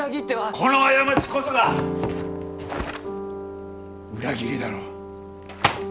この過ちこそが裏切りだろう？